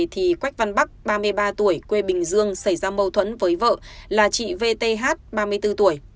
thì quách văn bắc ba mươi ba tuổi quê bình dương xảy ra mâu thuẫn với vợ là chị vth ba mươi bốn tuổi